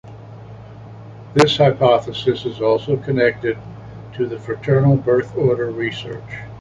This hypothesis is also connected to the fraternal birth order research.